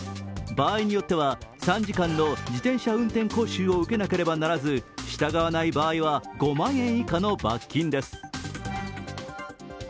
場合によっては、３時間の自転車運転講習を受けなければならず従わない場合は５万円以下の罰金です。